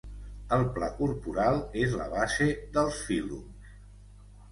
El pla corporal és la base dels fílums.